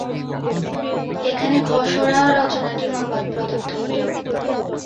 এখানে খসড়া-রচনাটির অনুবাদ প্রদত্ত হইল।